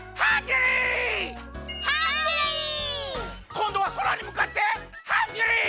こんどはそらにむかってハングリー！